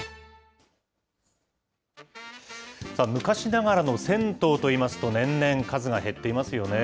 昔ながらの銭湯といいますと、年々数が減っていますよね。